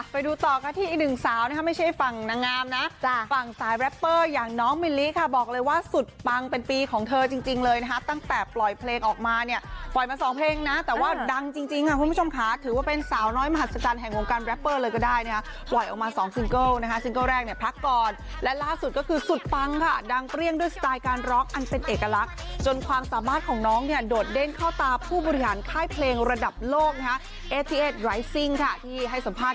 ไปดูต่อกันที่อีกหนึ่งสาวนะครับไม่ใช่ฝั่งนางงามนะฝั่งสายแร็ปเปอร์อย่างน้องมิลลิค่ะบอกเลยว่าสุดปังเป็นปีของเธอจริงเลยนะฮะตั้งแต่ปล่อยเพลงออกมาเนี่ยปล่อยมาสองเพลงนะแต่ว่าดังจริงค่ะคุณผู้ชมค่ะถือว่าเป็นสาวน้อยมหัศจรรย์แห่งวงการแร็ปเปอร์เลยก็ได้เนี่ยปล่อยออกมาสองซิงเกิลนะฮะ